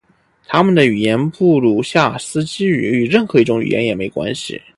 他们的语言布鲁夏斯基语与任何一种语言也没关系。